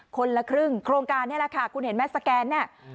คนละครึ่งโครงการนี่แหละค่ะคุณเห็นไหมสแกนเนี่ย